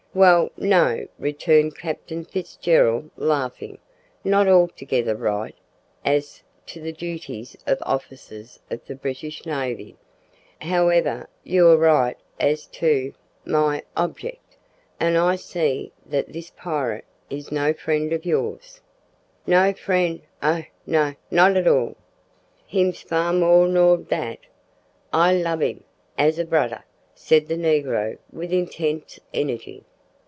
"Well, no," returned Captain Fitzgerald, laughing, "not altogether right as to the duties of officers of the British navy. However, you're right as to my object, and I see that this pirate is no friend of yours." "No friend, oh! no not at all. Him's far more nor dat. I lub him as a brudder," said the negro with intense energy.